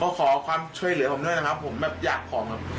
เขาขอความช่วยเหลือผมด้วยนะครับผมอยากขอม